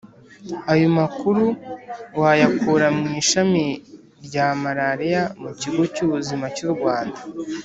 ayo makuru wayakura mu ishami rya malaria mu kigo cy'ubuzima cy'u rwanda